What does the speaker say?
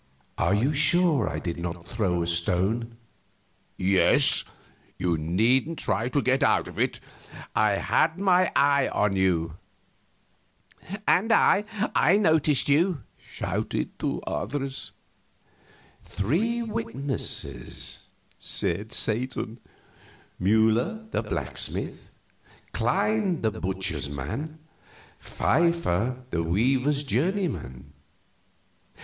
"Are you sure I did not throw a stone?" "Yes. You needn't try to get out of it; I had my eye on you." "And I I noticed you!" shouted two others. "Three witnesses," said Satan: "Mueller, the blacksmith; Klein, the butcher's man; Pfeiffer, the weaver's journeyman.